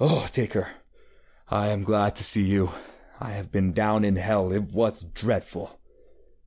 ŌĆ£Oh, Dacre, I am glad to see you! I have been down into hell. It was dreadful.